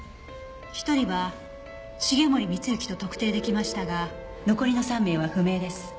１人は繁森光之と特定出来ましたが残りの３名は不明です。